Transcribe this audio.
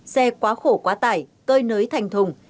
xe quá khổ quá tải cơi nới thành thùng